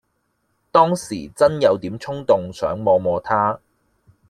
當時真有點衝動想摸摸它